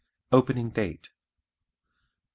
Opening Date 2.